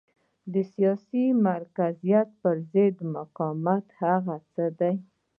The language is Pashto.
د سیاسي مرکزیت پرضد مقاومت هغه څه دي.